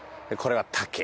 これは竹。